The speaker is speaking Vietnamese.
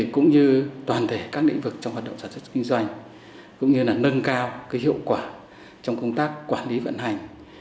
cũng như toàn thể các lĩnh vực trong hoạt động sản xuất kinh doanh cũng như là nâng cao hiệu quả trong công tác quản lý vận hành